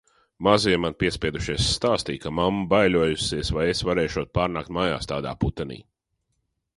Mazie man piespiedušies stāstīja, ka mamma baiļojusies, vai es varēšot pārnākt mājās tādā putenī.